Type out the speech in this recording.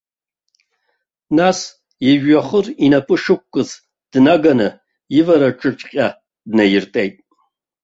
Нас, ижәҩахыр инапы шықәкыз, днаганы ивараҿыҵәҟьа днаиртәеит.